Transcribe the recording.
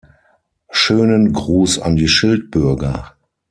Schönen Gruß an die Schildbürger.